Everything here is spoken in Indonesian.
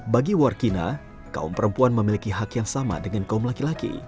bagi warkina kaum perempuan memiliki hak yang sama dengan kaum laki laki